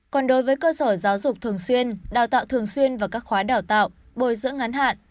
còn đối với cơ sở giáo dục thường xuyên đào tạo thường xuyên và các khóa đào tạo bồi dưỡng ngắn hạn